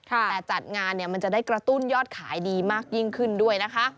แต่จัดงานเนี่ยมันจะได้กระตุ้นยอดขายดีมากยิ่งขึ้นด้วยนะคะ